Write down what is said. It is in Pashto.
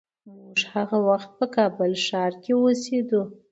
موږ هغه وخت په کابل ښار کې اوسېدو.